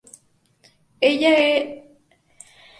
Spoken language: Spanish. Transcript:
Ella era miembro de Sigma Gamma Tau.